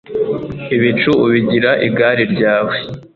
ibicu ubigira igari ryawe